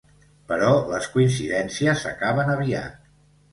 Però les coincidències s'acaben aviat.